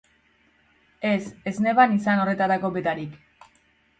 Ez, ez neban izan horretarako betarik.